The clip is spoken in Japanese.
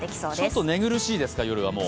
ちょっと寝苦しいですか、夜は？